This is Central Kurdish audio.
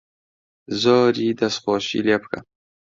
زۆری دەسخۆشی لێ بکە